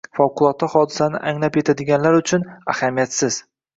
favqulodda hodisalarni anglab yetadiganlar uchun — ahamiyatsiz.